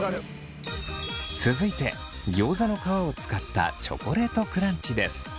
続いてギョーザの皮を使ったチョコレートクランチです。